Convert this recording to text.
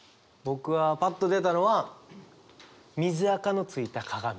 僕はパッと出たのは水あかの付いた鏡。